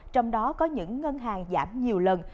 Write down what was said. trong đó có những ngân hàng giảm nhiều lần